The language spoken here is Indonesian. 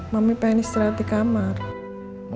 mami pengen istirahat di kamar